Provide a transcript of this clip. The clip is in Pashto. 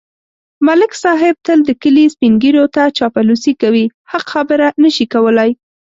ملک صاحب تل د کلي سپېنږیروته چاپلوسي کوي. حق خبره نشي کولای.